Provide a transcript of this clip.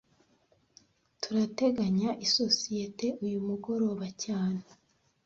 Turateganya isosiyete uyu mugoroba cyane